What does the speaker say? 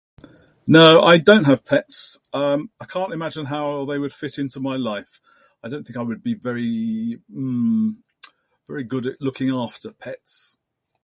No, I don't have pets. Um, I can't imagine how well they would fit into my life. I don't think I would be very, hmm, very good at looking after pets.